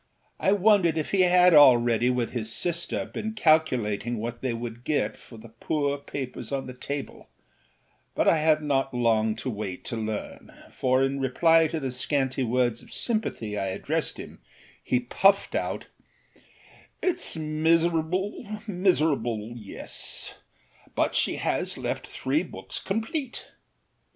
I wondered if he had already, with his sister, been calculating what they could get for the poor papers on the table; but I had not long to wait to learn, for in reply to the scanty words of sympathy I addressed him he puffed out: âItâs miserable, miserable, yes; but she has left three books complete.